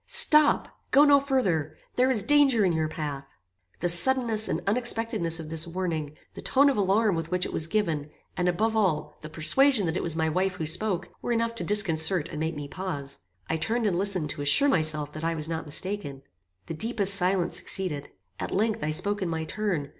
"Stop, go no further. There is danger in your path." The suddenness and unexpectedness of this warning, the tone of alarm with which it was given, and, above all, the persuasion that it was my wife who spoke, were enough to disconcert and make me pause. I turned and listened to assure myself that I was not mistaken. The deepest silence succeeded. At length, I spoke in my turn.